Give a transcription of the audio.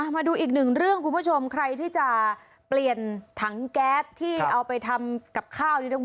มาดูอีกหนึ่งเรื่องคุณผู้ชมใครที่จะเปลี่ยนถังแก๊สที่เอาไปทำกับข้าวนี่ต้อง